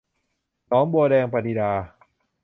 หนองบัวแดง - ปณิดา